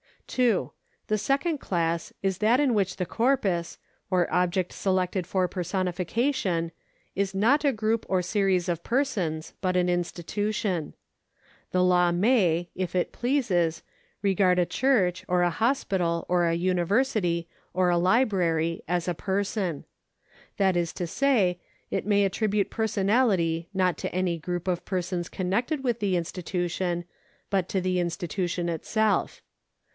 2. The second class is that in which the corjpus, or object selected for personification, is not a group or series of persons, but an institution. The law may, if it pleases, regard a §113] PERSONS 281 church, or a liospital, or a university, or a Hbrary, as a person. That is to say, it may attribute personahty not to any grouj) of persons connected with the institution, but to the institu tion itself.